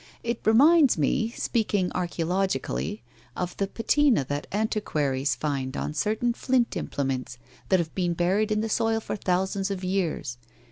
It reminds me, speaking archaeologically, of the patena that antiquaries find on certain flint imple ments that have been buried in the soil for thousands of years.